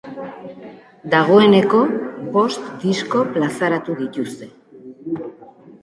Dagoeneko bost disko plazaratu dituzte.